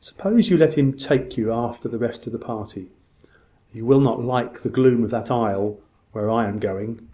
Suppose you let him take you after the rest of the party? You will not like the gloom of that aisle where I am going."